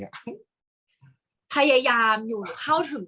กากตัวทำอะไรบ้างอยู่ตรงนี้คนเดียว